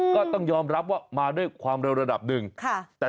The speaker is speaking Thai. ก็ต้องยอมรับว่ามาด้วยความเร็วระดับหนึ่ง